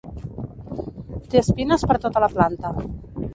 Té espines per tota la planta.